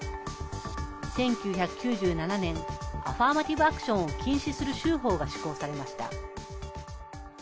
１９９７年、アファーマティブ・アクションを禁止する州法が施行されました。